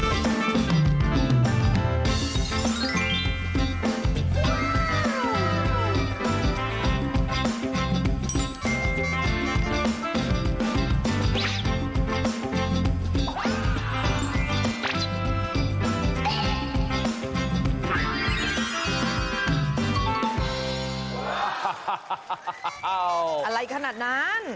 อ้าวอะไรขนาดนั้น